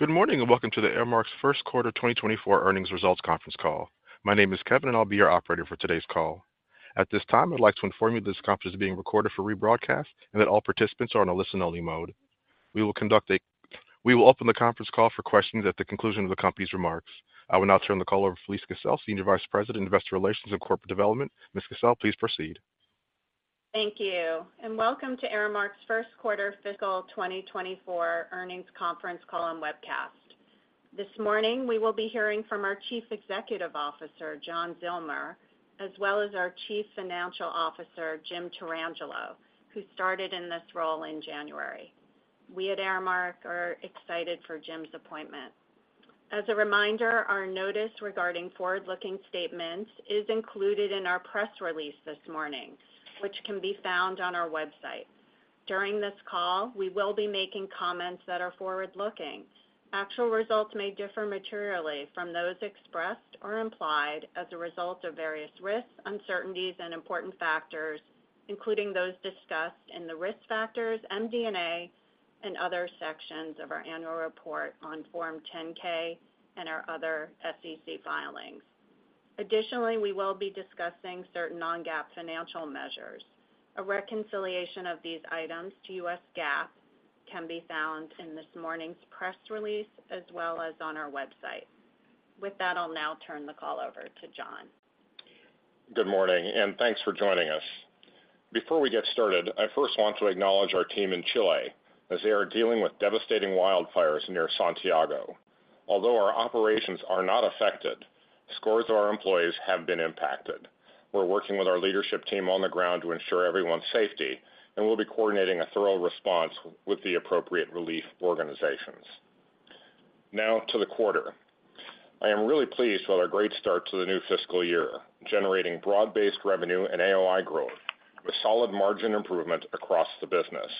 Good morning, and welcome to Aramark's 1Q 2024 earnings results conference call. My name is Kevin, and I'll be your operator for today's call. At this time, I'd like to inform you that this conference is being recorded for rebroadcast and that all participants are on a listen-only mode. We will open the conference call for questions at the conclusion of the company's remarks. I will now turn the call over to Felise Kissell, Senior Vice President, Investor Relations and Corporate Development. Ms. Kissell, please proceed. Thank you, and welcome to Aramark's 1Q Fiscal 2024 Earnings Conference Call and Webcast. This morning, we will be hearing from our Chief Executive Officer, John Zillmer, as well as our Chief Financial Officer, Jim Tarangelo, who started in this role in January. We at Aramark are excited for Jim's appointment. As a reminder, our notice regarding forward-looking statements is included in our press release this morning, which can be found on our website. During this call, we will be making comments that are forward-looking. Actual results may differ materially from those expressed or implied as a result of various risks, uncertainties and important factors, including those discussed in the Risk Factors, MD&A, and other sections of our annual report on Form 10-K and our other SEC filings. Additionally, we will be discussing certain non-GAAP financial measures. A reconciliation of these items to U.S. GAAP can be found in this morning's press release as well as on our website. With that, I'll now turn the call over to John. Good morning, and thanks for joining us. Before we get started, I first want to acknowledge our team in Chile as they are dealing with devastating wildfires near Santiago. Although our operations are not affected, scores of our employees have been impacted. We're working with our leadership team on the ground to ensure everyone's safety, and we'll be coordinating a thorough response with the appropriate relief organizations. Now to the quarter. I am really pleased with our great start to the new fiscal year, generating broad-based revenue and AOI growth, with solid margin improvement across the business.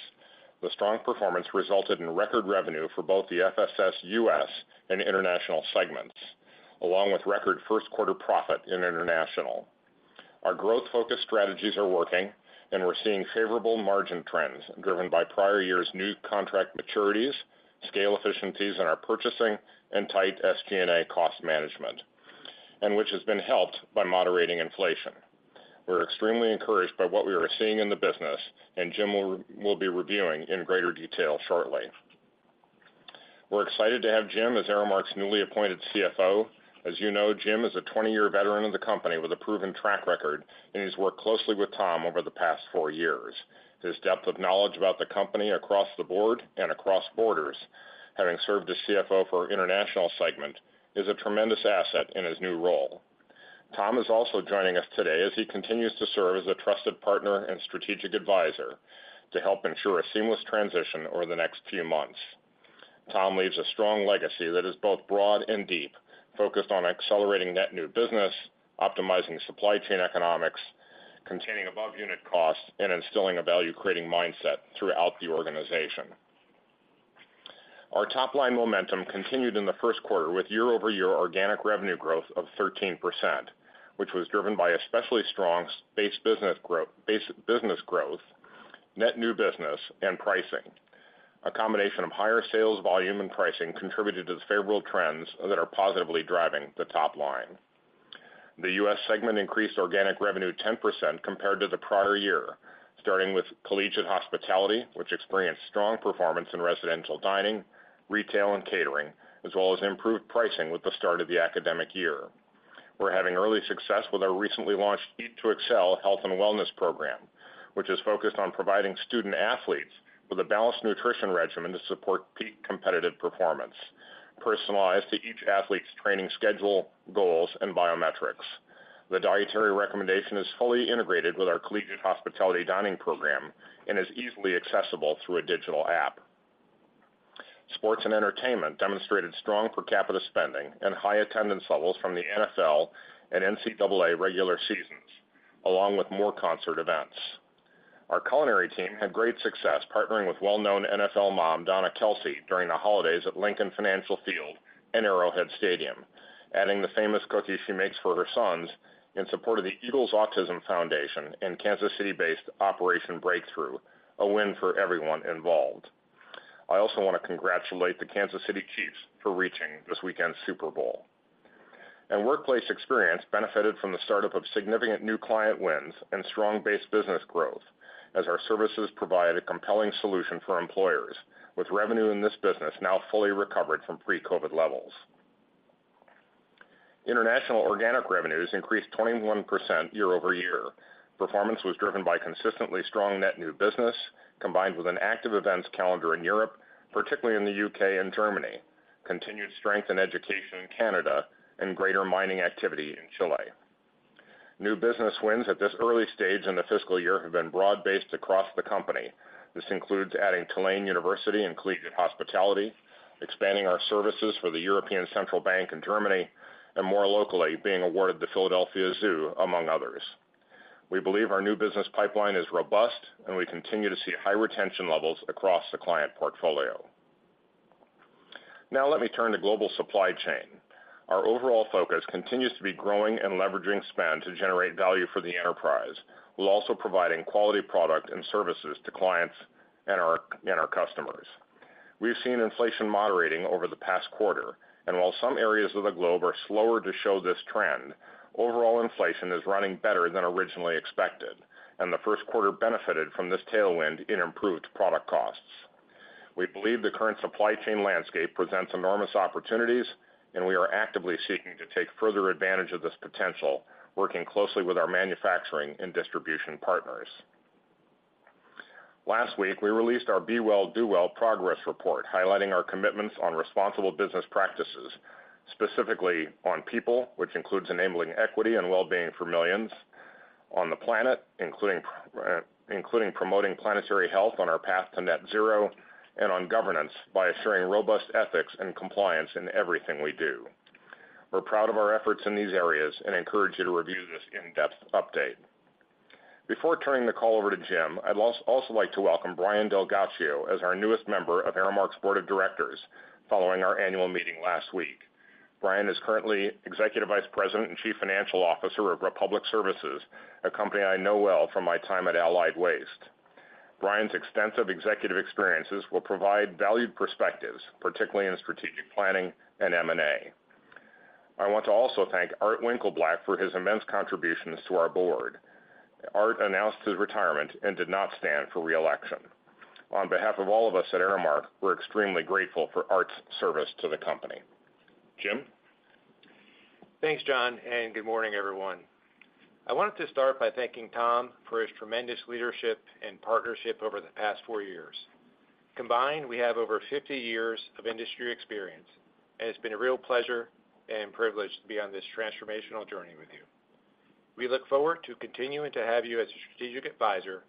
The strong performance resulted in record revenue for both the FSS U.S. and International segments, along with record 1Q profit in International. Our growth-focused strategies are working, and we're seeing favorable margin trends driven by prior year's new contract maturities, scale efficiencies in our purchasing, and tight SG&A cost management, and which has been helped by moderating inflation. We're extremely encouraged by what we are seeing in the business, and Jim will be reviewing in greater detail shortly. We're excited to have Jim as Aramark's newly appointed CFO. As you know, Jim is a 20-year veteran of the company with a proven track record, and he's worked closely with Tom over the past 4 years. His depth of knowledge about the company across the board and across borders, having served as CFO for our International segment, is a tremendous asset in his new role. Tom is also joining us today as he continues to serve as a trusted partner and strategic advisor to help ensure a seamless transition over the next few months. Tom leaves a strong legacy that is both broad and deep, focused on accelerating net new business, optimizing supply chain economics, containing above-unit costs, and instilling a value-creating mindset throughout the organization. Our top-line momentum continued in the 1Q with year-over-year organic revenue growth of 13%, which was driven by especially strong base business growth, net new business, and pricing. A combination of higher sales volume and pricing contributed to the favorable trends that are positively driving the top line. The U.S. segment increased organic revenue 10% compared to the prior year, starting with Collegiate Hospitality, which experienced strong performance in residential dining, retail, and catering, as well as improved pricing with the start of the academic year. We're having early success with our recently launched Eat to Excel health and wellness program, which is focused on providing student-athletes with a balanced nutrition regimen to support peak competitive performance, personalized to each athlete's training schedule, goals, and biometrics. The dietary recommendation is fully integrated with our Collegiate Hospitality dining program and is easily accessible through a digital app. Sports & Entertainment demonstrated strong per capita spending and high attendance levels from the NFL and NCAA regular seasons, along with more concert events. Our culinary team had great success partnering with well-known NFL mom, Donna Kelce, during the holidays at Lincoln Financial Field and Arrowhead Stadium, adding the famous cookies she makes for her sons in support of the Eagles Autism Foundation and Kansas City-based Operation Breakthrough, a win for everyone involved. I also want to congratulate the Kansas City Chiefs for reaching this weekend's Super Bowl. Workplace Experience benefited from the startup of significant new client wins and strong base business growth, as our services provide a compelling solution for employers, with revenue in this business now fully recovered from pre-COVID levels. International organic revenues increased 21% year-over-year. Performance was driven by consistently strong net new business, combined with an active events calendar in Europe, particularly in the U.K. and Germany, continued strength in education in Canada, and greater mining activity in Chile. New business wins at this early stage in the fiscal year have been broad-based across the company. This includes adding Tulane University in Collegiate Hospitality, expanding our services for the European Central Bank in Germany, and more locally, being awarded the Philadelphia Zoo, among others. We believe our new business pipeline is robust, and we continue to see high retention levels across the client portfolio. Now let me turn to global supply chain.... Our overall focus continues to be growing and leveraging spend to generate value for the enterprise, while also providing quality product and services to clients and our, and our customers. We've seen inflation moderating over the past quarter, and while some areas of the globe are slower to show this trend, overall inflation is running better than originally expected, and the 1Q benefited from this tailwind in improved product costs. We believe the current supply chain landscape presents enormous opportunities, and we are actively seeking to take further advantage of this potential, working closely with our manufacturing and distribution partners. Last week, we released our Be Well. Do Well. progress report, highlighting our commitments on responsible business practices, specifically on people, which includes enabling equity and wellbeing for millions, on the planet, including promoting planetary health on our path to net zero, and on governance by ensuring robust ethics and compliance in everything we do. We're proud of our efforts in these areas and encourage you to review this in-depth update. Before turning the call over to Jim, I'd also like to welcome Brian DelGhiaccio as our newest member of Aramark's Board of Directors following our annual meeting last week. Brian is currently Executive Vice President and Chief Financial Officer of Republic Services, a company I know well from my time at Allied Waste. Brian's extensive executive experiences will provide valued perspectives, particularly in strategic planning and M&A. I want to also thank Art Winkleblack for his immense contributions to our board. Art announced his retirement and did not stand for re-election. On behalf of all of us at Aramark, we're extremely grateful for Art's service to the company. Jim? Thanks, John, and good morning, everyone. I wanted to start by thanking Tom for his tremendous leadership and partnership over the past four years. Combined, we have over fifty years of industry experience, and it's been a real pleasure and privilege to be on this transformational journey with you. We look forward to continuing to have you as a strategic advisor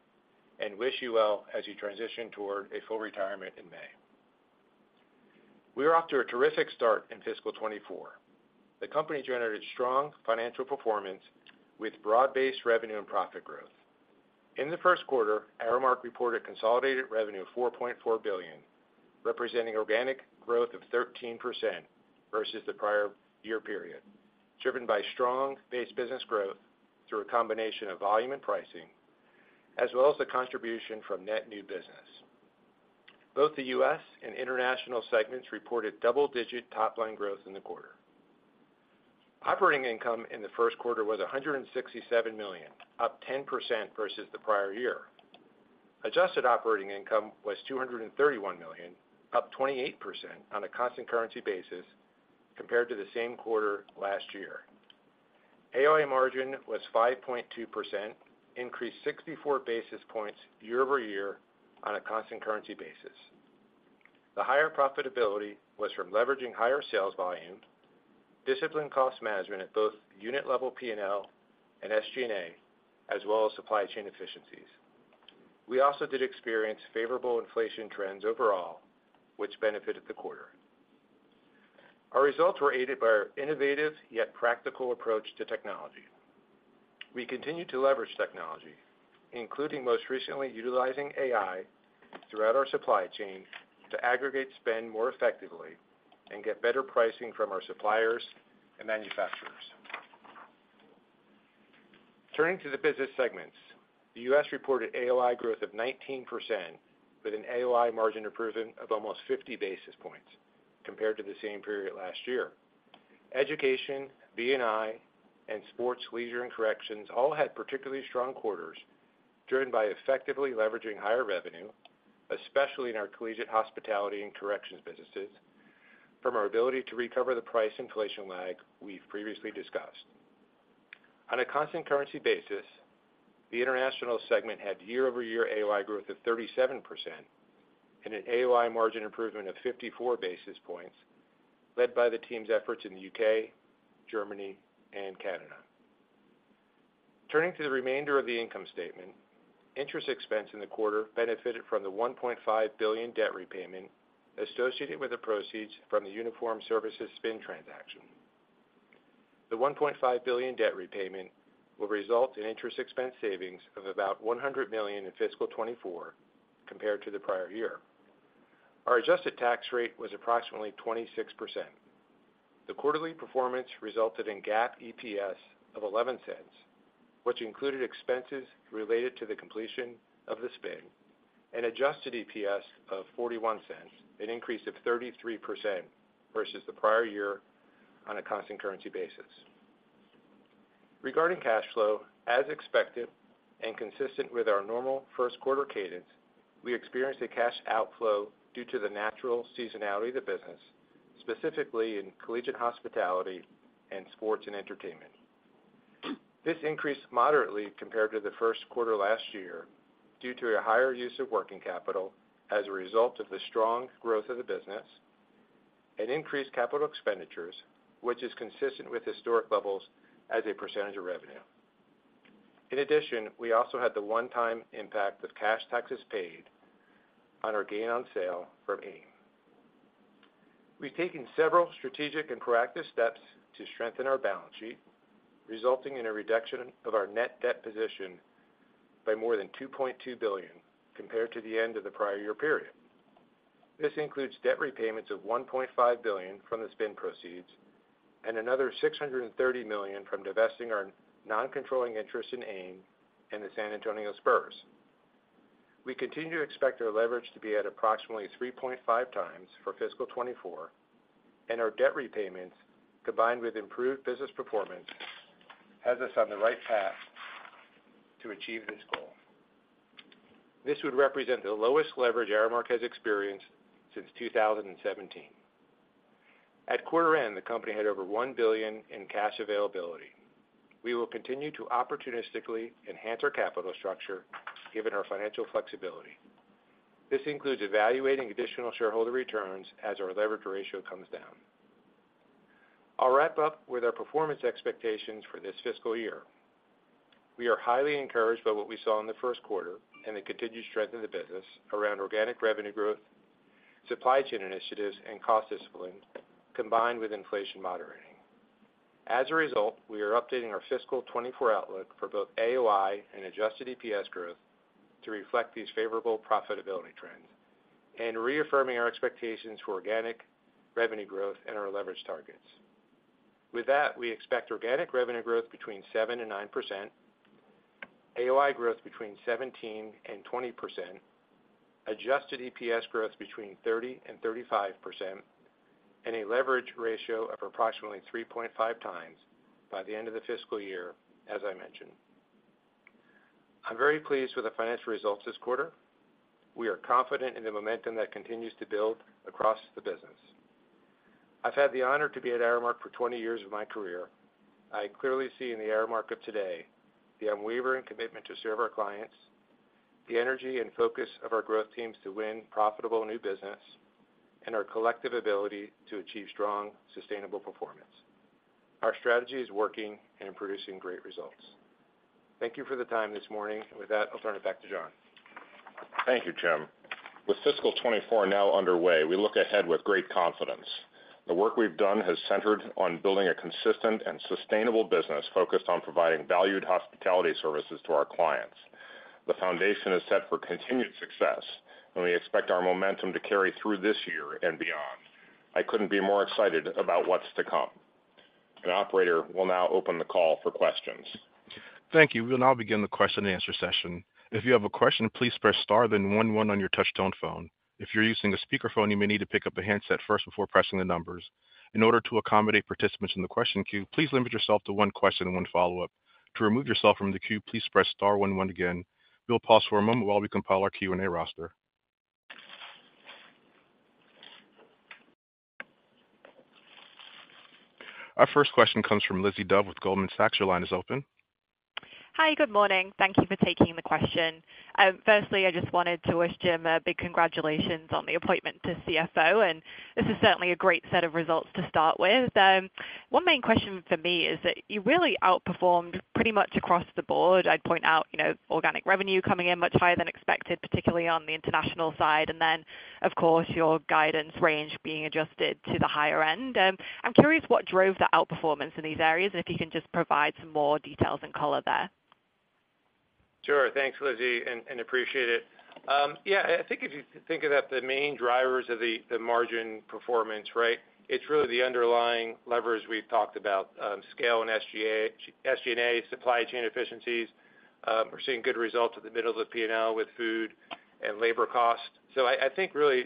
and wish you well as you transition toward a full retirement in May. We are off to a terrific start in fiscal 2024. The company generated strong financial performance with broad-based revenue and profit growth. In the 1Q, Aramark reported consolidated revenue of $4.4 billion, representing organic growth of 13% versus the prior year period, driven by strong base business growth through a combination of volume and pricing, as well as the contribution from net new business. Both the U.S. and international segments reported double-digit top-line growth in the quarter. Operating income in the 1Q was $167 million, up 10% versus the prior year. Adjusted operating income was $231 million, up 28% on a constant currency basis compared to the same quarter last year. AOI margin was 5.2%, increased 64 basis points year-over-year on a constant currency basis. The higher profitability was from leveraging higher sales volume, disciplined cost management at both unit-level P&L and SG&A, as well as supply chain efficiencies. We also did experience favorable inflation trends overall, which benefited the quarter. Our results were aided by our innovative, yet practical approach to technology. We continue to leverage technology, including most recently, utilizing AI throughout our supply chain to aggregate spend more effectively and get better pricing from our suppliers and manufacturers. Turning to the business segments, the U.S. reported AOI growth of 19%, with an AOI margin improvement of almost 50 basis points compared to the same period last year. Education, B&I, and sports, leisure, and corrections all had particularly strong quarters, driven by effectively leveraging higher revenue, especially in our collegiate hospitality and corrections businesses, from our ability to recover the price inflation lag we've previously discussed. On a constant currency basis, the international segment had year-over-year AOI growth of 37% and an AOI margin improvement of 54 basis points, led by the team's efforts in the U.K., Germany, and Canada. Turning to the remainder of the income statement, interest expense in the quarter benefited from the $1.5 billion debt repayment associated with the proceeds from the Uniform Services spin transaction. The $1.5 billion debt repayment will result in interest expense savings of about $100 million in fiscal 2024 compared to the prior year. Our adjusted tax rate was approximately 26%. The quarterly performance resulted in GAAP EPS of $0.11, which included expenses related to the completion of the spin, and adjusted EPS of $0.41, an increase of 33% versus the prior year on a constant currency basis. Regarding cash flow, as expected, and consistent with our normal 1Q cadence, we experienced a cash outflow due to the natural seasonality of the business, specifically in collegiate hospitality and sports and entertainment. This increased moderately compared to the 1Q last year due to a higher use of working capital as a result of the strong growth of the business and increased capital expenditures, which is consistent with historic levels as a percentage of revenue. In addition, we also had the one-time impact of cash taxes paid on our gain on sale from AIM. We've taken several strategic and proactive steps to strengthen our balance sheet, resulting in a reduction of our net debt position by more than $2.2 billion compared to the end of the prior year period. This includes debt repayments of $1.5 billion from the spin proceeds and another $630 million from divesting our non-controlling interest in AIM and the San Antonio Spurs. We continue to expect our leverage to be at approximately 3.5x for fiscal 2024, and our debt repayments, combined with improved business performance, has us on the right path to achieve this goal. This would represent the lowest leverage Aramark has experienced since 2017. At quarter end, the company had over $1 billion in cash availability. We will continue to opportunistically enhance our capital structure, given our financial flexibility. This includes evaluating additional shareholder returns as our leverage ratio comes down. I'll wrap up with our performance expectations for this fiscal year. We are highly encouraged by what we saw in the 1Q and the continued strength of the business around organic revenue growth, supply chain initiatives, and cost discipline, combined with inflation moderating. As a result, we are updating our fiscal 2024 outlook for both AOI and adjusted EPS growth to reflect these favorable profitability trends and reaffirming our expectations for organic revenue growth and our leverage targets. With that, we expect organic revenue growth between 7% and 9%, AOI growth between 17% and 20%, adjusted EPS growth between 30% and 35%, and a leverage ratio of approximately 3.5x by the end of the fiscal year, as I mentioned. I'm very pleased with the financial results this quarter. We are confident in the momentum that continues to build across the business. I've had the honor to be at Aramark for 20 years of my career. I clearly see in the Aramark of today the unwavering commitment to serve our clients, the energy and focus of our growth teams to win profitable new business, and our collective ability to achieve strong, sustainable performance. Our strategy is working and producing great results. Thank you for the time this morning. With that, I'll turn it back to John. Thank you, Jim. With fiscal 2024 now underway, we look ahead with great confidence. The work we've done has centered on building a consistent and sustainable business focused on providing valued hospitality services to our clients. The foundation is set for continued success, and we expect our momentum to carry through this year and beyond. I couldn't be more excited about what's to come. The operator will now open the call for questions. Thank you. We'll now begin the question and answer session. If you have a question, please press star, then one, one on your touchtone phone. If you're using a speakerphone, you may need to pick up a handset first before pressing the numbers. In order to accommodate participants in the question queue, please limit yourself to one question and one follow-up. To remove yourself from the queue, please press star one, one again. We'll pause for a moment while we compile our Q&A roster. Our first question comes from Lizzie Dove with Goldman Sachs. Your line is open. Hi, good morning. Thank you for taking the question. Firstly, I just wanted to wish Jim a big congratulations on the appointment to CFO, and this is certainly a great set of results to start with. One main question for me is that you really outperformed pretty much across the board. I'd point out, you know, organic revenue coming in much higher than expected, particularly on the international side, and then, of course, your guidance range being adjusted to the higher end. I'm curious what drove the outperformance in these areas, and if you can just provide some more details and color there. Sure. Thanks, Lizzie, and appreciate it. Yeah, I think if you think about the main drivers of the margin performance, right, it's really the underlying leverage we've talked about, scale and SG&A, supply chain efficiencies. We're seeing good results at the middle of the P&L with food and labor costs. So I think really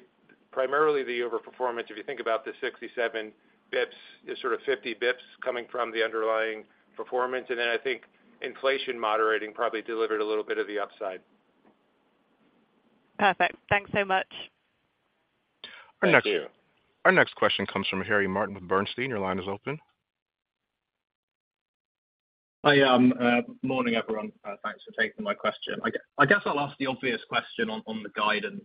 primarily the overperformance, if you think about the 67 basis points, is sort of 50 basis points coming from the underlying performance, and then I think inflation moderating probably delivered a little bit of the upside. Perfect. Thanks so much. Thank you. Our next question comes from Harry Martin with Bernstein. Your line is open. Hi, morning, everyone. Thanks for taking my question. I guess I'll ask the obvious question on the guidance.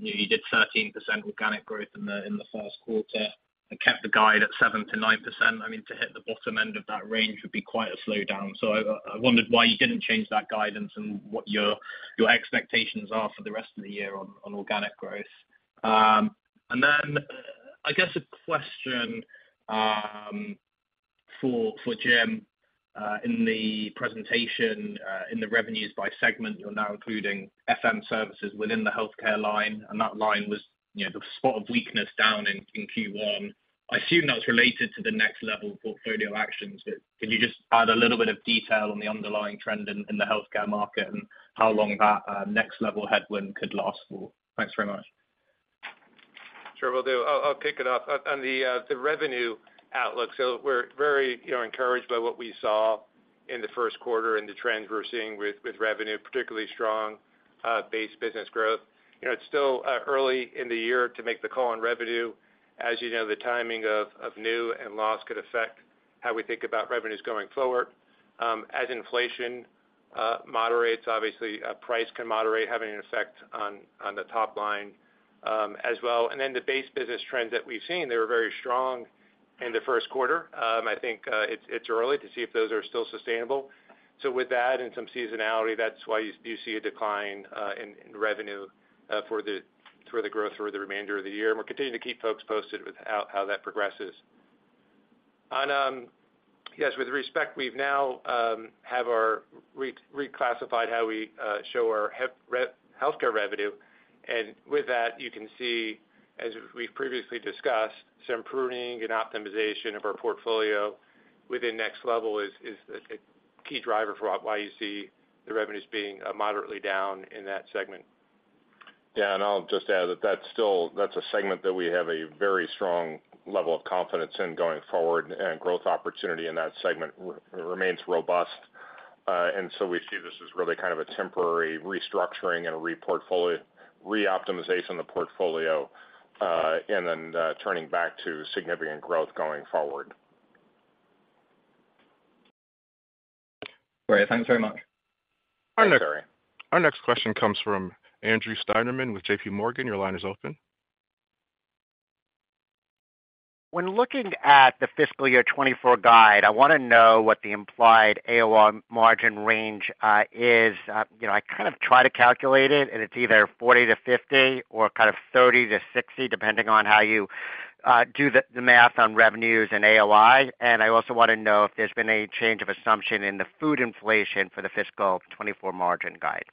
You know, you did 13% organic growth in the 1Q and kept the guide at 7%-9%. I mean, to hit the bottom end of that range would be quite a slowdown. So I wondered why you didn't change that guidance and what your expectations are for the rest of the year on organic growth. And then I guess a question for Jim. In the presentation, in the revenues by segment, you're now including FM services within the healthcare line, and that line was, you know, the spot of weakness down in Q1. I assume that's related to the Next Level of portfolio actions, but could you just add a little bit of detail on the underlying trend in the healthcare market and how long that Next Level headwind could last for? Thanks very much. Sure will do. I'll kick it off. On the revenue outlook, so we're very, you know, encouraged by what we saw in the 1Q and the trends we're seeing with revenue, particularly strong base business growth. You know, it's still early in the year to make the call on revenue. As you know, the timing of new and lost could affect how we think about revenues going forward. As inflation moderates, obviously, price can moderate, having an effect on the top line, as well. And then the base business trends that we've seen, they were very strong in the 1Q. I think it's early to see if those are still sustainable. So with that and some seasonality, that's why you see a decline in revenue for the growth through the remainder of the year. And we're continuing to keep folks posted with how that progresses. On, yes, with respect, we've now have our reclassified how we show our healthcare revenue. And with that, you can see, as we've previously discussed, some pruning and optimization of our portfolio within Next Level is a key driver for why you see the revenues being moderately down in that segment. Yeah, and I'll just add that that's still a segment that we have a very strong level of confidence in going forward, and growth opportunity in that segment remains robust. And so we see this as really kind of a temporary restructuring and a reoptimization of the portfolio, and then turning back to significant growth going forward. Great. Thanks very much. Our next question comes from Andrew Steinerman with JPMorgan. Your line is open. When looking at the fiscal year 2024 guide, I wanna know what the implied AOI margin range is. You know, I kind of try to calculate it, and it's either 40-50 or kind of 30-60, depending on how you do the math on revenues and AOI. And I also wanna know if there's been any change of assumption in the food inflation for the fiscal 2024 margin guide.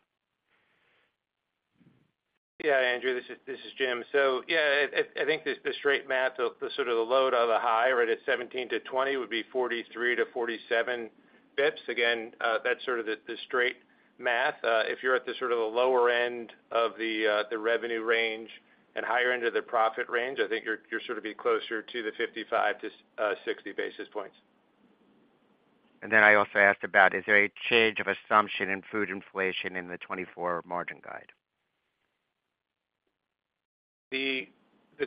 Yeah, Andrew, this is Jim. So yeah, I think the straight math of the sort of the low to the high, right, it's 17-20, would be 43-47 basis points. Again, that's sort of the straight math. If you're at the sort of the lower end of the revenue range and higher end of the profit range, I think you're sort of be closer to the 55-60 basis points. And then I also asked about, is there a change of assumption in food inflation in the 2024 margin guide? The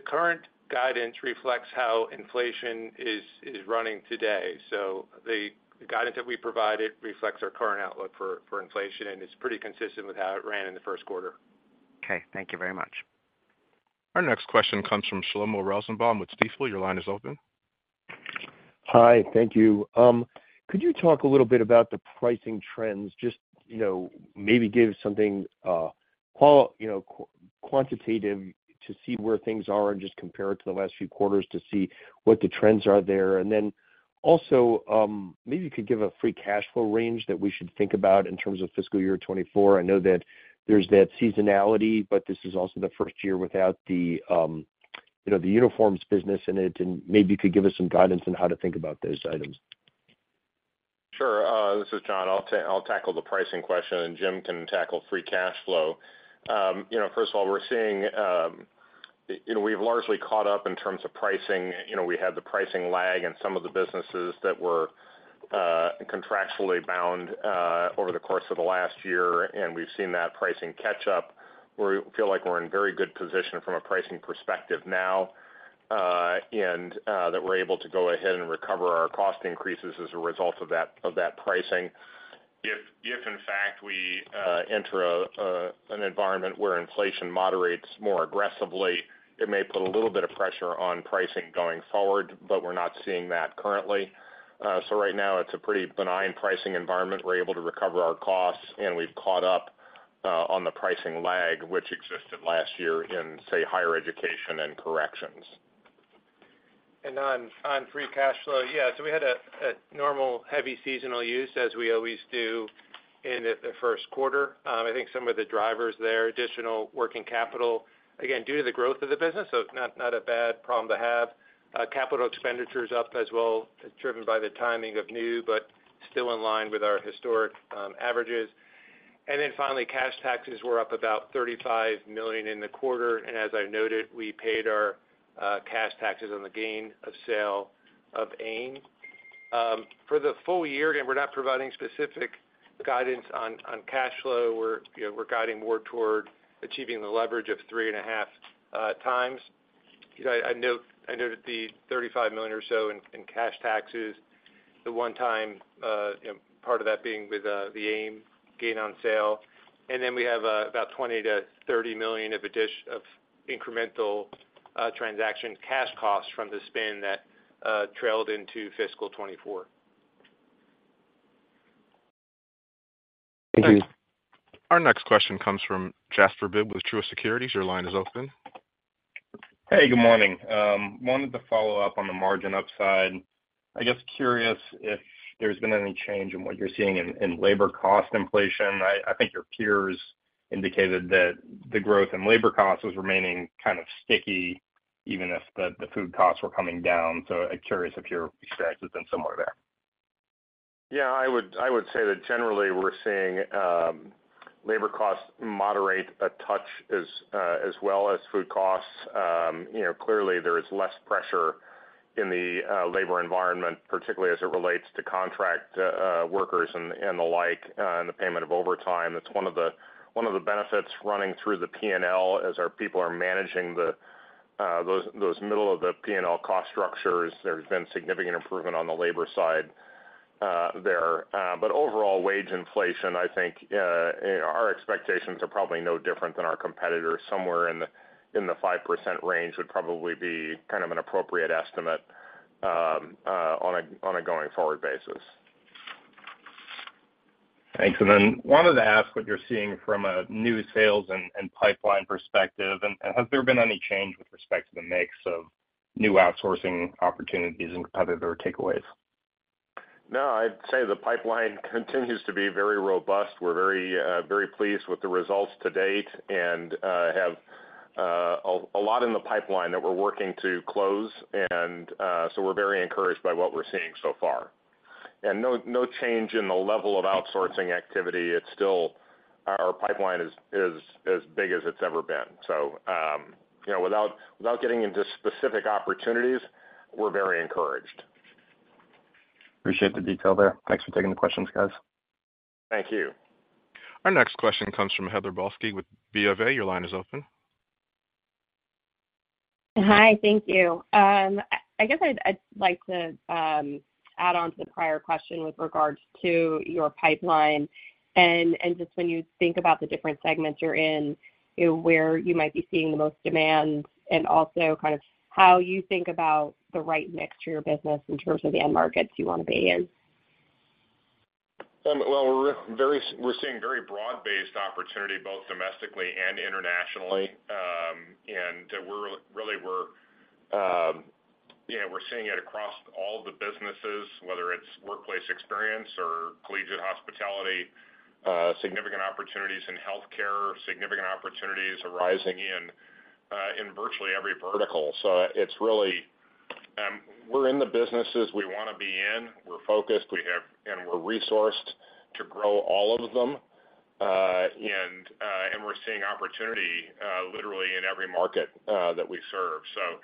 current guidance reflects how inflation is running today. So the guidance that we provided reflects our current outlook for inflation, and it's pretty consistent with how it ran in the 1Q. Okay, thank you very much. Our next question comes from Shlomo Rosenbaum with Stifel. Your line is open. Hi, thank you. Could you talk a little bit about the pricing trends, just, you know, maybe give something quantitative to see where things are and just compare it to the last few quarters to see what the trends are there? And then also, maybe you could give a free cash flow range that we should think about in terms of fiscal year 2024. I know that there's that seasonality, but this is also the first year without the, you know, the uniforms business in it, and maybe you could give us some guidance on how to think about those items. Sure. This is John. I'll tackle the pricing question, and Jim can tackle free cash flow. You know, first of all, we're seeing, you know, we've largely caught up in terms of pricing. You know, we had the pricing lag in some of the businesses that were contractually bound over the course of the last year, and we've seen that pricing catch up, where we feel like we're in very good position from a pricing perspective now, and that we're able to go ahead and recover our cost increases as a result of that, of that pricing. If, in fact, we enter a, an environment where inflation moderates more aggressively, it may put a little bit of pressure on pricing going forward, but we're not seeing that currently. So right now, it's a pretty benign pricing environment. We're able to recover our costs, and we've caught up on the pricing lag, which existed last year in, say, higher education and corrections. And on free cash flow, yeah, so we had a normal heavy seasonal use, as we always do in the 1Q. I think some of the drivers there, additional working capital, again, due to the growth of the business, so it's not a bad problem to have. Capital expenditures up as well, driven by the timing of new, but still in line with our historic averages. And then finally, cash taxes were up about $35 million in the quarter, and as I noted, we paid our cash taxes on the gain of sale of AIM. For the full year, again, we're not providing specific guidance on cash flow. We're, you know, we're guiding more toward achieving the leverage of 3.5x. You know, I noted the $35 million or so in cash taxes, the one-time, you know, part of that being with the AIM gain on sale. And then we have about $20 million-$30 million of additional incremental transaction cash costs from the spin that trailed into fiscal 2024. Thank you. Our next question comes from Jasper Bibb with Truist Securities. Your line is open. Hey, good morning. Wanted to follow up on the margin upside. I guess, curious if there's been any change in what you're seeing in, in labor cost inflation. I, I think your peers indicated that the growth in labor costs was remaining kind of sticky, even as the, the food costs were coming down. So I'm curious if your experience has been similar there. Yeah, I would, I would say that generally we're seeing, labor costs moderate a touch as, as well as food costs. You know, clearly there is less pressure in the, labor environment, particularly as it relates to contract, workers and, and the like, and the payment of overtime. That's one of the, one of the benefits running through the P&L as our people are managing the, those, those middle of the P&L cost structures. There's been significant improvement on the labor side, there. But overall, wage inflation, I think, our expectations are probably no different than our competitors. Somewhere in the, in the 5% range would probably be kind of an appropriate estimate, on a, on a going-forward basis. ... Thanks. And then wanted to ask what you're seeing from a new sales and pipeline perspective, and has there been any change with respect to the mix of new outsourcing opportunities and competitive or takeaways? No, I'd say the pipeline continues to be very robust. We're very, very pleased with the results to date and have a lot in the pipeline that we're working to close, and so we're very encouraged by what we're seeing so far. And no, no change in the level of outsourcing activity. It's still our pipeline is as big as it's ever been. So, you know, without getting into specific opportunities, we're very encouraged. Appreciate the detail there. Thanks for taking the questions, guys. Thank you. Our next question comes from Heather Balsky with BofA. Your line is open. Hi, thank you. I guess I'd like to add on to the prior question with regards to your pipeline and just when you think about the different segments you're in, you know, where you might be seeing the most demand, and also kind of how you think about the right mix to your business in terms of the end markets you want to be in. Well, we're seeing very broad-based opportunity, both domestically and internationally. And we're really seeing it across all the businesses, whether it's workplace experience or collegiate hospitality, significant opportunities in healthcare, significant opportunities arising in virtually every vertical. So it's really, we're in the businesses we want to be in. We're focused, and we're resourced to grow all of them. And we're seeing opportunity literally in every market that we serve. So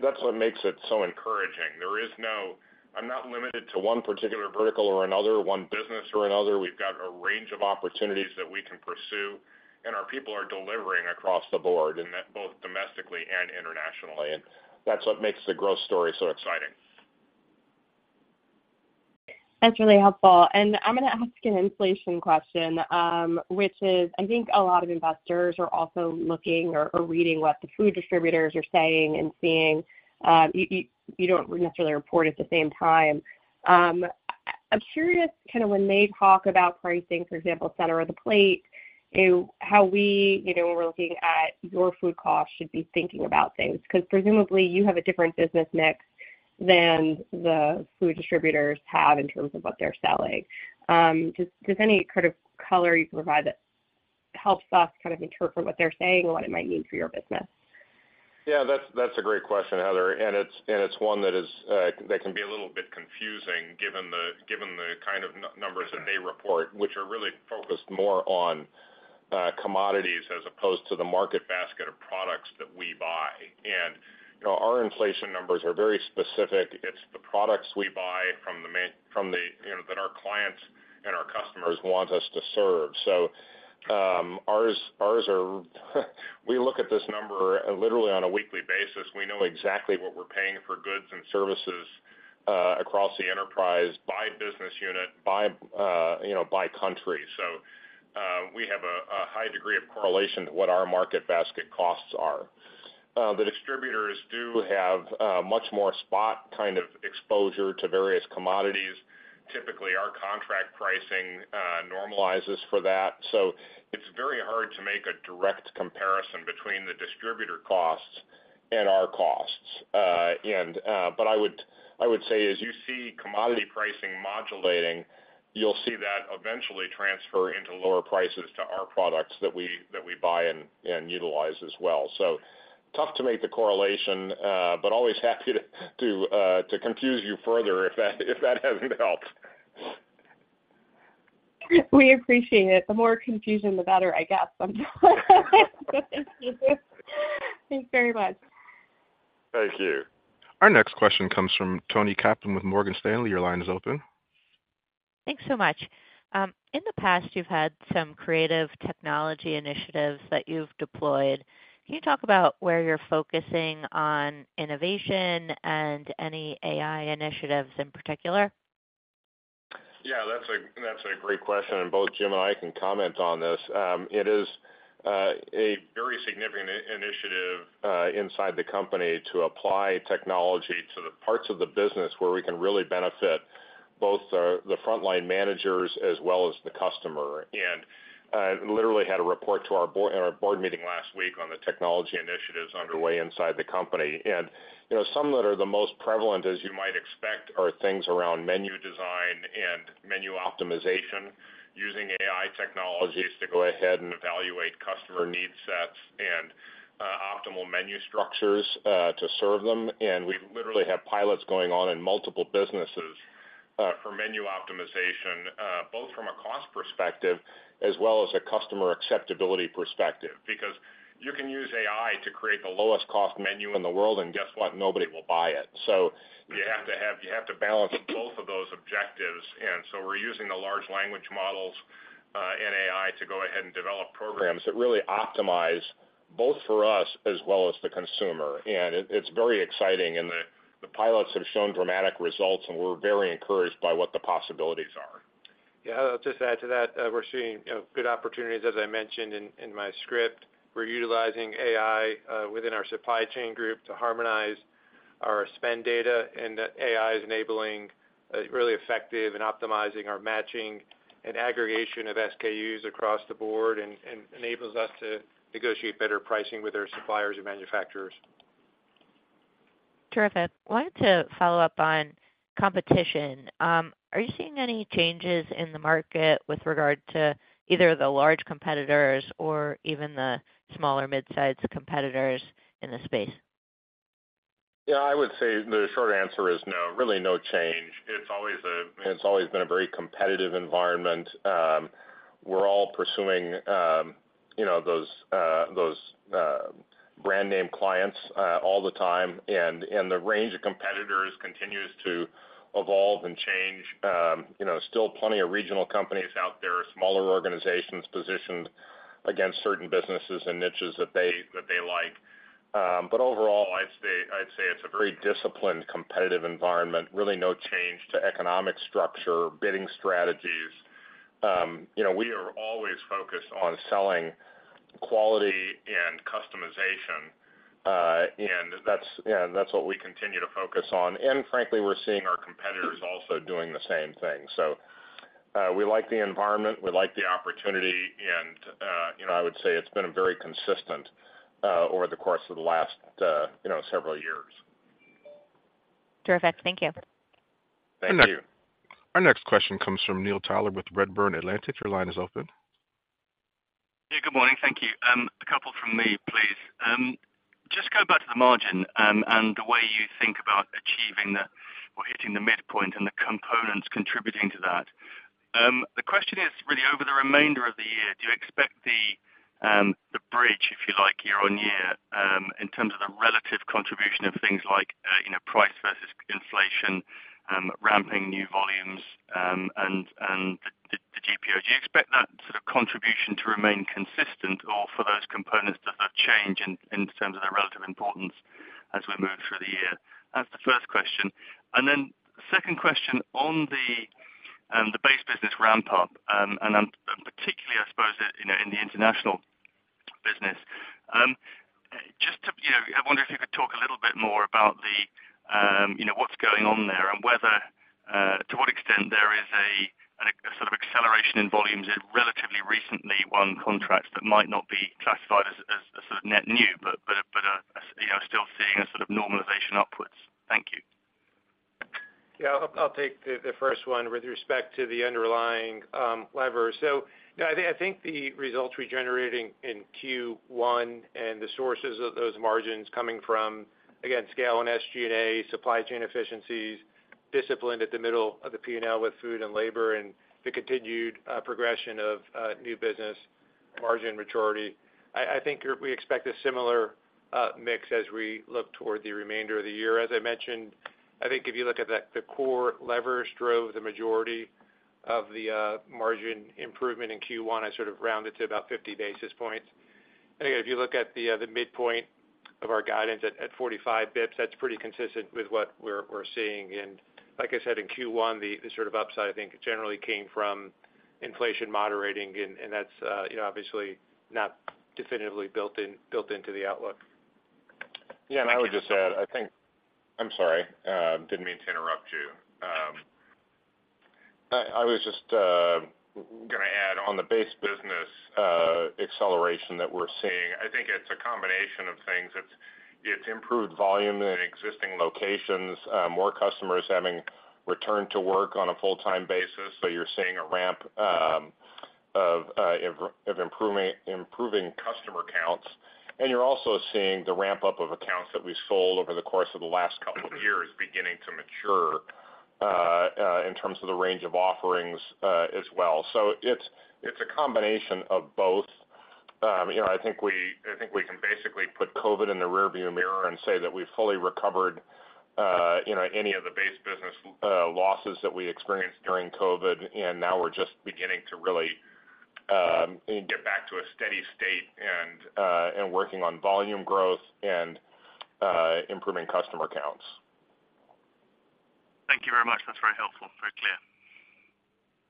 that's what makes it so encouraging. There is no... I'm not limited to one particular vertical or another, one business or another. We've got a range of opportunities that we can pursue, and our people are delivering across the board, and that both domestically and internationally, and that's what makes the growth story so exciting. That's really helpful. I'm going to ask an inflation question, which is, I think a lot of investors are also looking or reading what the food distributors are saying and seeing, you don't necessarily report at the same time. I'm curious, kind of when they talk about pricing, for example, center of the plate, you know, how we, you know, when we're looking at your food costs, should be thinking about things? Because presumably you have a different business mix than the food distributors have in terms of what they're selling. Just, does any kind of color you can provide that helps us kind of interpret what they're saying and what it might mean for your business? Yeah, that's a great question, Heather, and it's one that is that can be a little bit confusing given the kind of numbers that they report, which are really focused more on commodities as opposed to the market basket of products that we buy. And, you know, our inflation numbers are very specific. It's the products we buy from the, you know, that our clients and our customers want us to serve. So, ours are, we look at this number literally on a weekly basis. We know exactly what we're paying for goods and services across the enterprise, by business unit, by, you know, by country. So, we have a high degree of correlation to what our market basket costs are. The distributors do have much more spot kind of exposure to various commodities. Typically, our contract pricing normalizes for that. So it's very hard to make a direct comparison between the distributor costs and our costs. But I would, I would say, as you see commodity pricing modulating, you'll see that eventually transfer into lower prices to our products that we, that we buy and, and utilize as well. So tough to make the correlation, but always happy to confuse you further if that hasn't helped. We appreciate it. The more confusion, the better, I guess. Thank you. Thanks very much. Thank you. Our next question comes from Toni Kaplan with Morgan Stanley. Your line is open. Thanks so much. In the past, you've had some creative technology initiatives that you've deployed. Can you talk about where you're focusing on innovation and any AI initiatives in particular? Yeah, that's a great question, and both Jim and I can comment on this. It is a very significant initiative inside the company to apply technology to the parts of the business where we can really benefit both the frontline managers as well as the customer. And literally had a report to our board in our board meeting last week on the technology initiatives underway inside the company. And, you know, some that are the most prevalent, as you might expect, are things around menu design and menu optimization, using AI technologies to go ahead and evaluate customer need sets and optimal menu structures to serve them. And we literally have pilots going on in multiple businesses for menu optimization, both from a cost perspective as well as a customer acceptability perspective. Because you can use AI to create the lowest cost menu in the world, and guess what? Nobody will buy it. So you have to balance both of those objectives, and so we're using the large language models in AI to go ahead and develop programs that really optimize both for us as well as the consumer. And it's very exciting, and the pilots have shown dramatic results, and we're very encouraged by what the possibilities are. Yeah, I'll just add to that. We're seeing, you know, good opportunities, as I mentioned in, in my script. We're utilizing AI within our supply chain group to harmonize... our spend data, and that AI is enabling really effective and optimizing our matching and aggregation of SKUs across the board, and, and enables us to negotiate better pricing with our suppliers and manufacturers. Terrific. Wanted to follow up on competition. Are you seeing any changes in the market with regard to either the large competitors or even the smaller mid-sized competitors in the space? Yeah, I would say the short answer is no, really no change. It's always been a very competitive environment. We're all pursuing, you know, those brand name clients all the time, and the range of competitors continues to evolve and change. You know, still plenty of regional companies out there, smaller organizations positioned against certain businesses and niches that they like. But overall, I'd say, I'd say it's a very disciplined, competitive environment, really no change to economic structure, bidding strategies. You know, we are always focused on selling quality and customization, and that's what we continue to focus on. And frankly, we're seeing our competitors also doing the same thing. So, we like the environment, we like the opportunity, and, you know, I would say it's been very consistent, over the course of the last, you know, several years. Terrific. Thank you. Thank you. Our next question comes from Neil Tyler with Redburn Atlantic. Your line is open. Yeah, good morning. Thank you. A couple from me, please. Just going back to the margin, and the way you think about achieving the or hitting the midpoint and the components contributing to that. The question is, really over the remainder of the year, do you expect the, the bridge, if you like, year-on-year, in terms of the relative contribution of things like, you know, price versus inflation, ramping new volumes, and, and the, the GPO? Do you expect that sort of contribution to remain consistent or for those components to sort of change in, in terms of their relative importance as we move through the year? That's the first question. And then second question on the, the base business ramp up, and I'm- and particularly, I suppose, you know, in the international business. Just to, you know, I wonder if you could talk a little bit more about the, you know, what's going on there and whether to what extent there is a sort of acceleration in volumes in relatively recently won contracts that might not be classified as sort of net new, but you know, still seeing a sort of normalization upwards. Thank you. Yeah, I'll, I'll take the first one with respect to the underlying lever. So I think, I think the results we're generating in Q1 and the sources of those margins coming from, again, scale and SG&A, supply chain efficiencies, disciplined at the middle of the P&L with food and labor, and the continued progression of new business margin maturity. I, I think we expect a similar mix as we look toward the remainder of the year. As I mentioned, I think if you look at the core leverage drove the majority of the margin improvement in Q1, I sort of rounded to about 50 basis points. And again, if you look at the midpoint of our guidance at 45 basis points, that's pretty consistent with what we're, we're seeing. Like I said, in Q1, the sort of upside, I think, generally came from inflation moderating, and that's, you know, obviously not definitively built into the outlook. Yeah, and I would just add, I think... I'm sorry, didn't mean to interrupt you. I was just gonna add on the base business acceleration that we're seeing. I think it's a combination of things. It's improved volume in existing locations, more customers having returned to work on a full-time basis. So you're seeing a ramp of improving customer counts, and you're also seeing the ramp up of accounts that we sold over the course of the last couple of years beginning to mature in terms of the range of offerings as well. So it's a combination of both. You know, I think we, I think we can basically put COVID in the rearview mirror and say that we've fully recovered, you know, any of the base business losses that we experienced during COVID, and now we're just beginning to really get back to a steady state and working on volume growth and improving customer counts. Thank you very much. That's very helpful, very clear.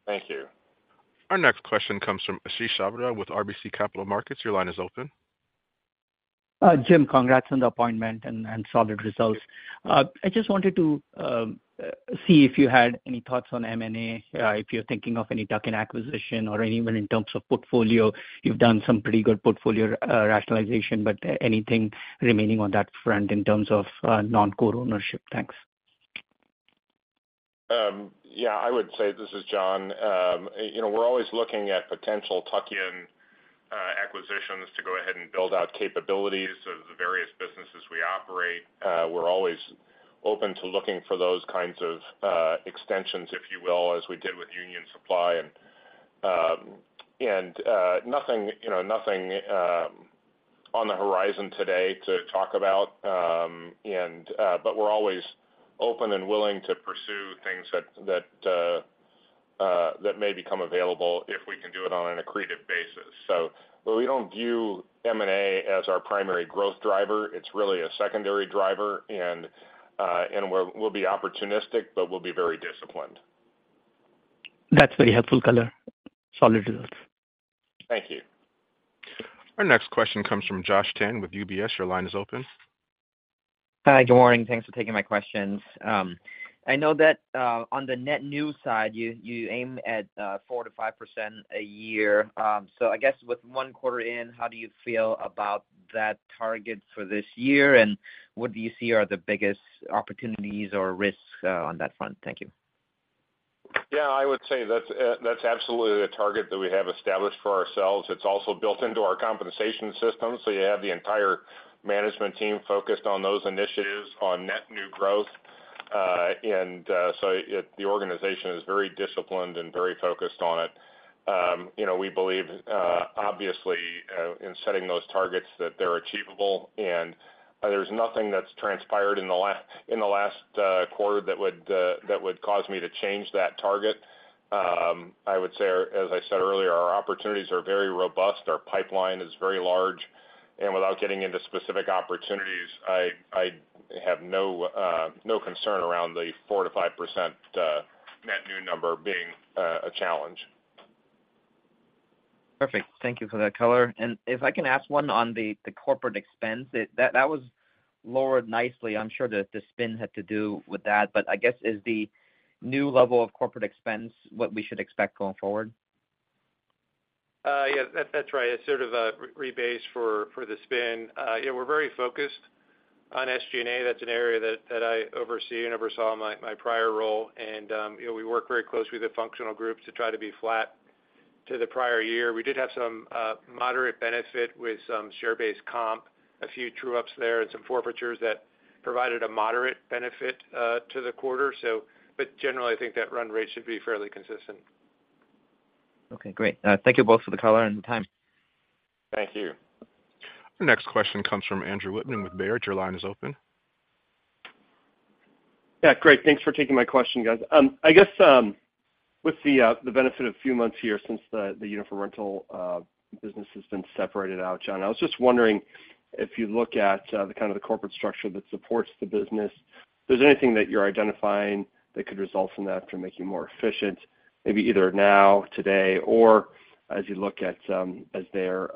Thank you. Our next question comes from Ashish Sabadra with RBC Capital Markets. Your line is open. Jim, congrats on the appointment and, and solid results. I just wanted to see if you had any thoughts on M&A, if you're thinking of any tuck-in acquisition or even in terms of portfolio. You've done some pretty good portfolio rationalization, but anything remaining on that front in terms of non-core ownership? Thanks. Yeah, I would say, this is John. You know, we're always looking at potential tuck-in acquisitions to go ahead and build out capabilities of the various businesses we operate. We're always open to looking for those kinds of extensions, if you will, as we did with Union Supply. And nothing, you know, nothing on the horizon today to talk about, but we're always open and willing to pursue things that may become available if we can do it on an accretive basis. So while we don't view M&A as our primary growth driver, it's really a secondary driver, and we'll be opportunistic, but we'll be very disciplined.... That's very helpful color. Solid results. Thank you. Our next question comes from Josh Chan with UBS. Your line is open. Hi, good morning. Thanks for taking my questions. I know that, on the net new side, you aim at 4%-5% a year. So I guess with one quarter in, how do you feel about that target for this year, and what do you see are the biggest opportunities or risks on that front? Thank you. Yeah, I would say that's, that's absolutely a target that we have established for ourselves. It's also built into our compensation system, so you have the entire management team focused on those initiatives on net new growth. And, so the organization is very disciplined and very focused on it. You know, we believe, obviously, in setting those targets that they're achievable, and there's nothing that's transpired in the last quarter that would, that would cause me to change that target. I would say, as I said earlier, our opportunities are very robust. Our pipeline is very large, and without getting into specific opportunities, I have no concern around the 4%-5% net new number being a challenge. Perfect. Thank you for that color. And if I can ask one on the corporate expense, that was lowered nicely. I'm sure the spin had to do with that, but I guess, is the new level of corporate expense what we should expect going forward? Yeah, that's right. It's sort of a rebase for the spin. Yeah, we're very focused on SG&A. That's an area that I oversee and oversaw my prior role, and you know, we work very closely with the functional groups to try to be flat to the prior year. We did have some moderate benefit with some share-based comp, a few true-ups there, and some forfeitures that provided a moderate benefit to the quarter. But generally, I think that run rate should be fairly consistent. Okay, great. Thank you both for the color and the time. Thank you. Our next question comes from Andrew Wittman with Baird. Your line is open. Yeah, great. Thanks for taking my question, guys. I guess, with the benefit of a few months here since the Uniform Rental business has been separated out, John, I was just wondering if you look at the kind of the corporate structure that supports the business, if there's anything that you're identifying that could result from that to make you more efficient, maybe either now, today, or as you look at their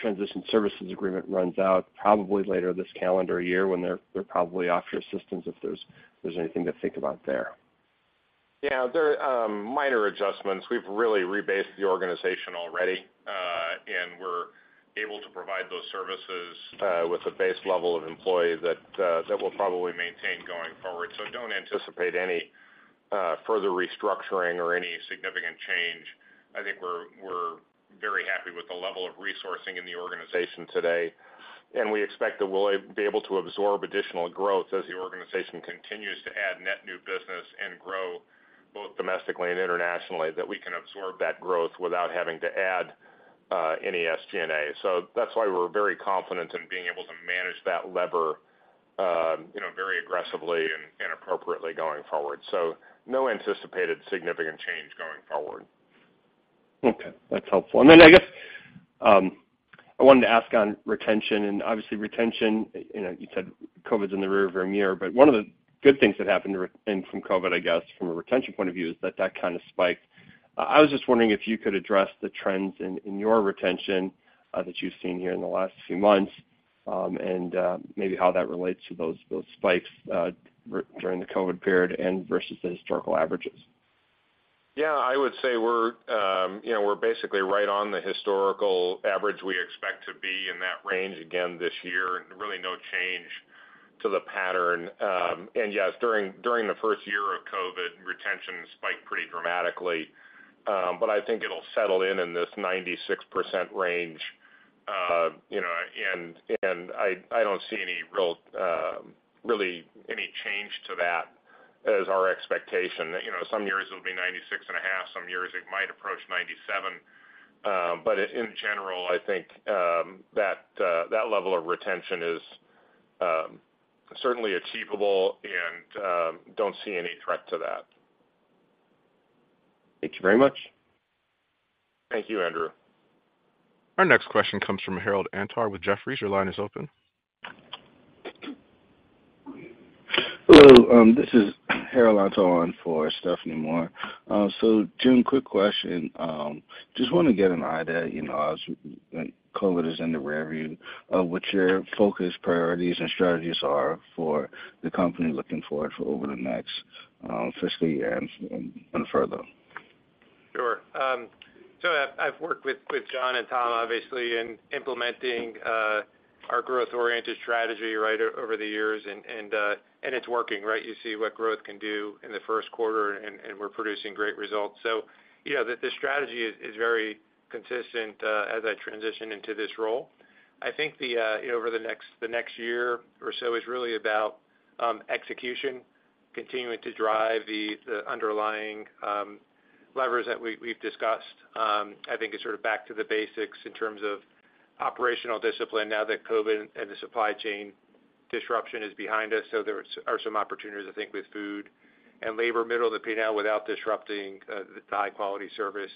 transition services agreement runs out, probably later this calendar year, when they're probably off your systems, if there's anything to think about there? Yeah, there are minor adjustments. We've really rebased the organization already, and we're able to provide those services with a base level of employee that we'll probably maintain going forward. So don't anticipate any further restructuring or any significant change. I think we're very happy with the level of resourcing in the organization today, and we expect that we'll be able to absorb additional growth as the organization continues to add net new business and grow, both domestically and internationally, that we can absorb that growth without having to add any SG&A. So that's why we're very confident in being able to manage that lever, you know, very aggressively and appropriately going forward. So no anticipated significant change going forward. Okay, that's helpful. And then I guess I wanted to ask on retention, and obviously, retention, you know, you said COVID's in the rearview mirror, but one of the good things that happened from COVID, I guess, from a retention point of view, is that that kind of spiked. I was just wondering if you could address the trends in your retention that you've seen here in the last few months, and maybe how that relates to those, those spikes during the COVID period and versus the historical averages. Yeah, I would say we're, you know, we're basically right on the historical average. We expect to be in that range again this year, and really no change to the pattern. And yes, during the first year of COVID, retention spiked pretty dramatically, but I think it'll settle in this 96% range. You know, and I don't see any real, really any change to that as our expectation. You know, some years it'll be 96.5%, some years it might approach 97%. But in general, I think that that level of retention is certainly achievable and don't see any threat to that. Thank you very much. Thank you, Andrew. Our next question comes from Harold Antor with Jefferies. Your line is open. Hello, this is Harold Antor in for Stephanie Moore. So Jim, quick question. Just want to get an idea, you know, as COVID is in the rearview, of what your focus, priorities, and strategies are for the company looking forward for over the next fiscal year and further. Sure. So I've worked with John and Tom, obviously, in implementing our growth-oriented strategy, right, over the years, and it's working, right? You see what growth can do in the 1Q, and we're producing great results. So, you know, the strategy is very consistent as I transition into this role. I think over the next year or so is really about execution, continuing to drive the underlying levers that we've discussed. I think it's sort of back to the basics in terms of operational discipline now that COVID and the supply chain disruption is behind us, so there are some opportunities, I think, with food and labor middle of the pay now without disrupting the high-quality service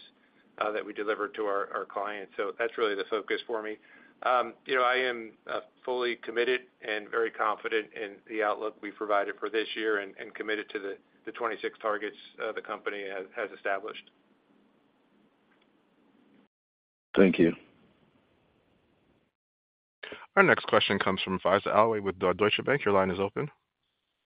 that we deliver to our clients. So that's really the focus for me. You know, I am fully committed and very confident in the outlook we provided for this year and committed to the 26 targets the company has established. Thank you. Our next question comes from Faiza Alwy with Deutsche Bank. Your line is open.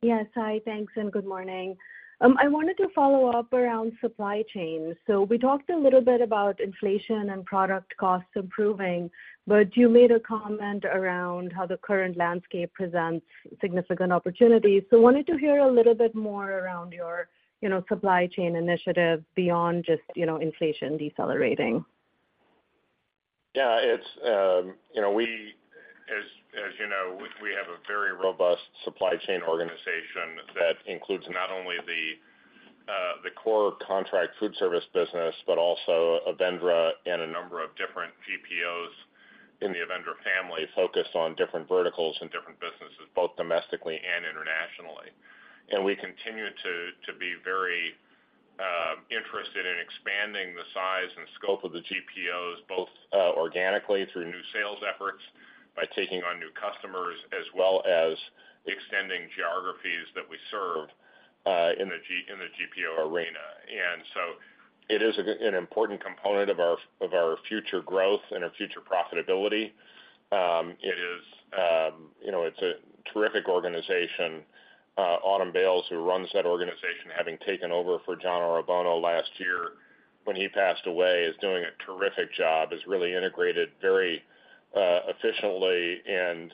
Yes. Hi, thanks, and good morning. I wanted to follow up around supply chain. So we talked a little bit about inflation and product costs improving, but you made a comment around how the current landscape presents significant opportunities. So wanted to hear a little bit more around your, you know, supply chain initiative beyond just, you know, inflation decelerating. Yeah, it's, you know, we, as, as you know, we have a very robust supply chain organization that includes not only the, the core contract food service business, but also Avendra and a number of different GPOs in the Avendra family, focused on different verticals and different businesses, both domestically and internationally. And we continue to, to be very, interested in expanding the size and scope of the GPOs, both, organically through new sales efforts, by taking on new customers, as well as extending geographies that we serve, in the GPO arena. And so it is an important component of our, of our future growth and our future profitability. It is, you know, it's a terrific organization. Autumn Bayles, who runs that organization, having taken over for John Orobono last year when he passed away, is doing a terrific job. Has really integrated very, efficiently and,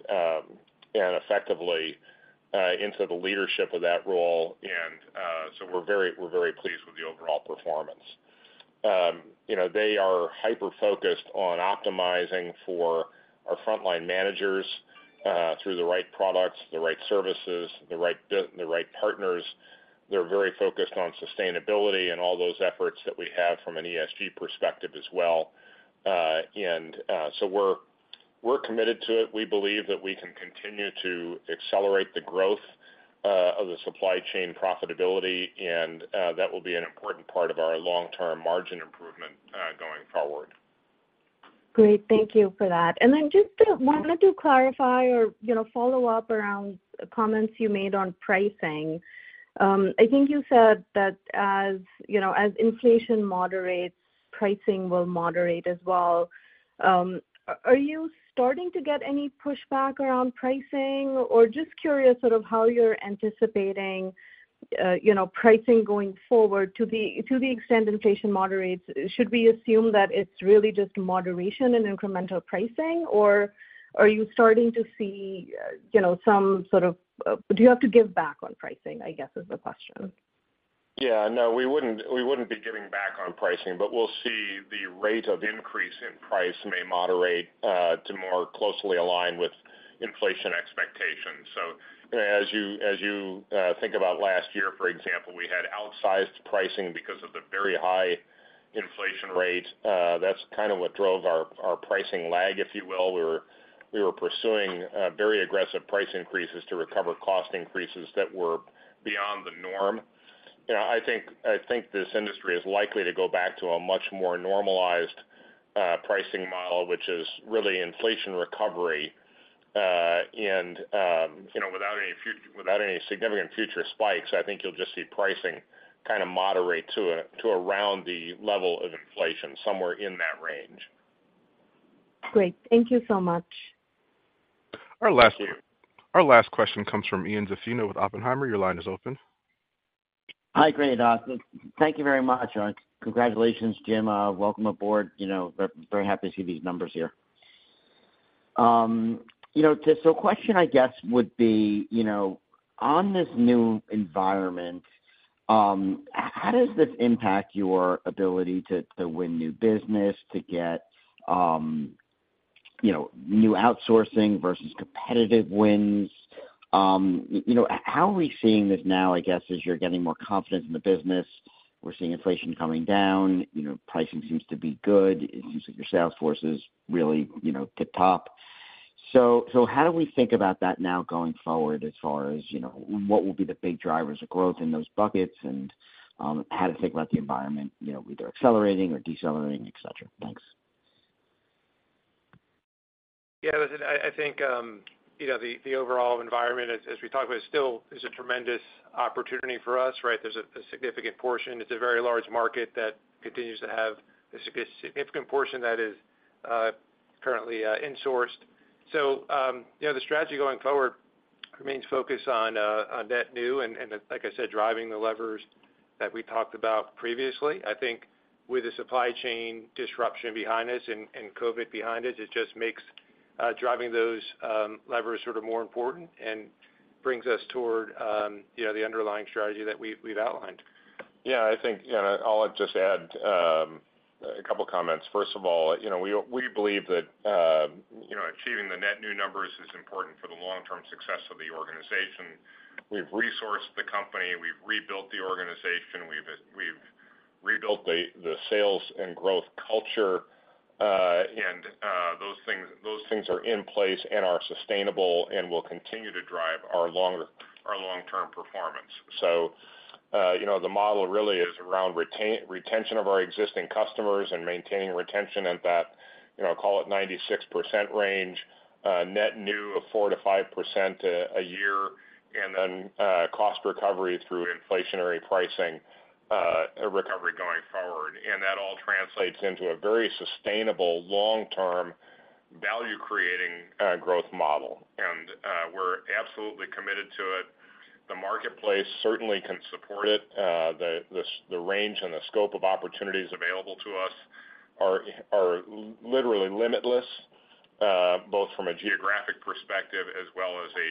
and effectively, into the leadership of that role, and, so we're very, we're very pleased with the overall performance. You know, they are hyper-focused on optimizing for our frontline managers, through the right products, the right services, the right partners. They're very focused on sustainability and all those efforts that we have from an ESG perspective as well. And, so we're, we're committed to it. We believe that we can continue to accelerate the growth, of the supply chain profitability, and, that will be an important part of our long-term margin improvement, going forward. Great. Thank you for that. And then just wanted to clarify or, you know, follow up around comments you made on pricing. I think you said that as, you know, as inflation moderates, pricing will moderate as well. Are you starting to get any pushback around pricing? Or just curious sort of how you're anticipating, you know, pricing going forward to the, to the extent inflation moderates, should we assume that it's really just moderation in incremental pricing? Or are you starting to see, you know, some sort of... Do you have to give back on pricing, I guess, is the question? Yeah. No, we wouldn't be giving back on pricing, but we'll see the rate of increase in price may moderate to more closely align with inflation expectations. So, you know, as you think about last year, for example, we had outsized pricing because of the very high inflation rate. That's kind of what drove our pricing lag, if you will. We were pursuing very aggressive price increases to recover cost increases that were beyond the norm. You know, I think this industry is likely to go back to a much more normalized pricing model, which is really inflation recovery, and you know, without any significant future spikes, I think you'll just see pricing kind of moderate to around the level of inflation, somewhere in that range. Great. Thank you so much. Our last- Our last question comes from Ian Zaffino with Oppenheimer. Your line is open. Hi, great. Thank you very much, and congratulations, Jim. Welcome aboard. You know, we're very happy to see these numbers here. You know, just so a question I guess, would be, you know, on this new environment, how does this impact your ability to, to win new business, to get, you know, new outsourcing versus competitive wins? You know, how are we seeing this now, I guess, as you're getting more confident in the business, we're seeing inflation coming down, you know, pricing seems to be good, it seems like your sales force is really, you know, tip top. So, so how do we think about that now going forward as far as, you know, what will be the big drivers of growth in those buckets? And, how to think about the environment, you know, either accelerating or decelerating, et cetera. Thanks. Yeah, listen, I think, you know, the overall environment as we talk about is still a tremendous opportunity for us, right? There's a significant portion. It's a very large market that continues to have a significant portion that is currently insourced. So, you know, the strategy going forward remains focused on net new, and like I said, driving the levers that we talked about previously. I think with the supply chain disruption behind us and COVID behind us, it just makes driving those levers sort of more important and brings us toward, you know, the underlying strategy that we've outlined. Yeah, I think, you know, I'll just add a couple comments. First of all, you know, we believe that, you know, achieving the net new numbers is important for the long-term success of the organization. We've resourced the company, we've rebuilt the organization, we've rebuilt the sales and growth culture, and those things are in place and are sustainable and will continue to drive our long-term performance. So, you know, the model really is around retention of our existing customers and maintaining retention at that, you know, call it 96% range, net new of 4%-5% a year, and then, cost recovery through inflationary pricing, recovery going forward. And that all translates into a very sustainable long-term value-creating growth model, and we're absolutely committed to it. The marketplace certainly can support it. The range and the scope of opportunities available to us are literally limitless, both from a geographic perspective as well as a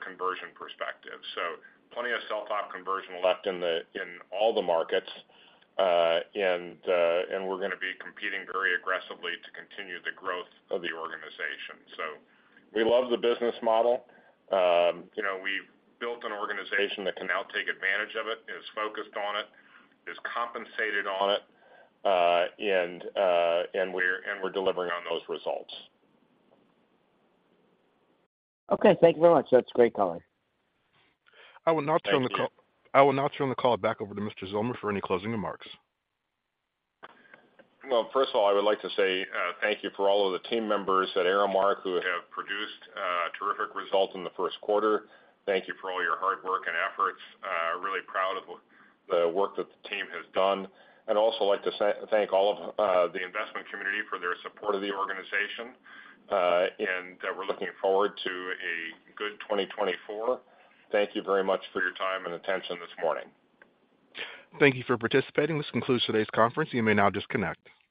conversion perspective. So plenty of self-op conversion left in all the markets, and we're gonna be competing very aggressively to continue the growth of the organization. So we love the business model. You know, we've built an organization that can now take advantage of it. It is focused on it, is compensated on it, and we're delivering on those results. Okay, thank you very much. That's a great call. I will now turn the call- Thank you. I will now turn the call back over to Mr. Zillmer for any closing remarks. Well, first of all, I would like to say thank you for all of the team members at Aramark who have produced terrific results in the 1Q. Thank you for all your hard work and efforts. Really proud of the work that the team has done. I'd also like to thank all of the investment community for their support of the organization, and we're looking forward to a good 2024. Thank you very much for your time and attention this morning. Thank you for participating. This concludes today's conference. You may now disconnect.